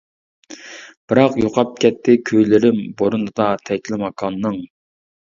بىراق، يوقاپ كەتتى كۈيلىرىم بورىنىدا تەكلىماكاننىڭ.